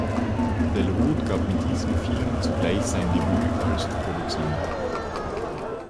Del Ruth gab mit diesem Film zugleich sein Debüt als Produzent.